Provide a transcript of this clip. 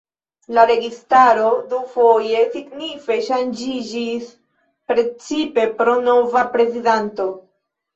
La registaro dufoje signife ŝanĝiĝis, precipe pro nova prezidanto.